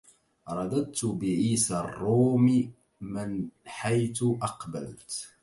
رددت بعيسى الروم من حيث أقبلت